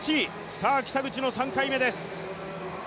さあ北口の３回目です。